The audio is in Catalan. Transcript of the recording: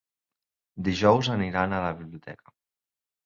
Dijous aniran a la biblioteca.